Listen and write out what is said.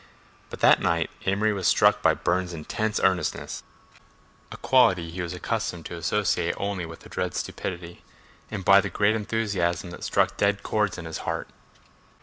But that night Amory was struck by Burne's intense earnestness, a quality he was accustomed to associate only with the dread stupidity, and by the great enthusiasm that struck dead chords in his heart.